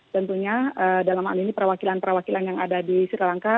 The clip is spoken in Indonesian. tentunya dalam hal ini perwakilan perwakilan yang ada di sri lanka